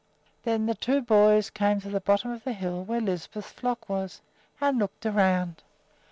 Then the two boys came to the bottom of the hill, where Lisbeth's flock was, and looked around.